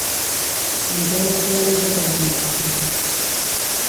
Metodologiari buelta bat eman behar zaio.